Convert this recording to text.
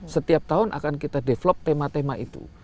setiap tahun akan kita develop tema tema itu